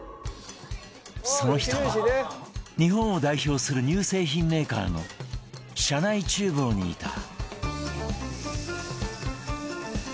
その人は日本を代表する乳製品メーカーの社内厨房にいた